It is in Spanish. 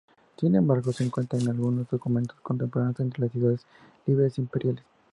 Sin embargo, se cuenta en algunos documentos contemporáneos entre las Ciudades Libres Imperiales.